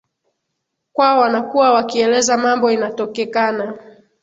kwao wanakuwa wakieleza mambo inatokekana